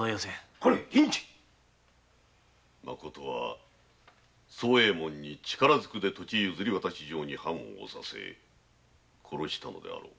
これ銀次惣右衛門に力ずくで土地譲り渡し状に判をおさせ殺したのであろう。